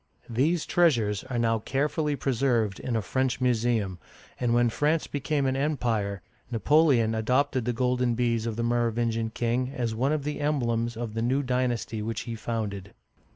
These treasures are now carefully preserved in a French museum, and when France became an Empire, Napoleon adopted the golden bees of the Merovingian king as one of the emblems of the new dynasty which he founded.